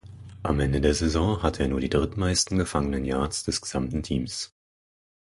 Am Ende der Saison hatte er nur die drittmeisten gefangenen Yards des gesamten Teams.